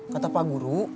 kata pak guru